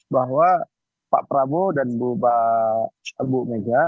bahwa pak prabowo dan bu mega